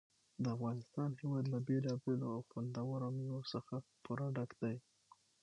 د افغانستان هېواد له بېلابېلو او خوندورو مېوو څخه پوره ډک دی.